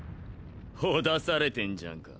絆されてんじゃんか。